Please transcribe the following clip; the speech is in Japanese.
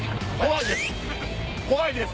怖いです！